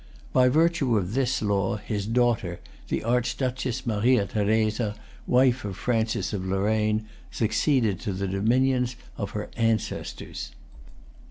By virtue of this law, his daughter, the Archduchess Maria Theresa, wife of Francis of Lorraine, succeeded to the dominions of her ancestors.